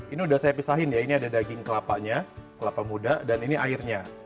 ini udah saya pisahin ya ini ada daging kelapanya kelapa muda dan ini airnya